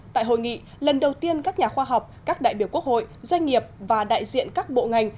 tại hội nghị lần đầu tiên các nhà khoa học các đại biểu quốc hội doanh nghiệp và đại diện các bộ ngành